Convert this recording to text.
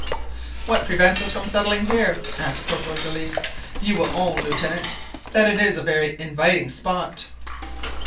"What prevents us from settling here?" asked Corporal Joliffe. "You will own, Lieutenant, that it is a very inviting spot."